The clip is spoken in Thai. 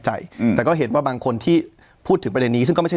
ใจอืมแต่ก็เห็นว่าบางคนที่พูดถึงประเด็นนี้ซึ่งก็ไม่ใช่